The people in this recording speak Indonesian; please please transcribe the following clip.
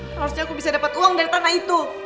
harusnya aku bisa dapat uang dari tanah itu